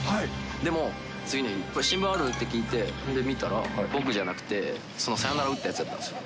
でも、次の日、新聞ある？って聞いて、それで見たら、僕じゃなくて、そのサヨナラ打ったやつだったんですよ。